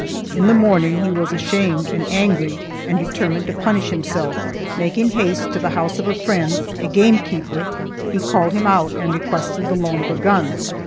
In the morning he was ashamed and angry and determined to punish himself. Making haste to the house of a friend, a gamekeeper, he called him out, and requested the loan of a gun.